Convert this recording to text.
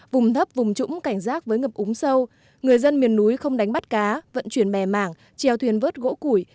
vùng thấp vùng trũng cảnh giác với ngập úng sâu người dân miền núi không đánh bắt cá vận chuyển bè mảng treo thuyền vớt gỗ củi